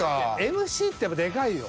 ＭＣってやっぱでかいよ。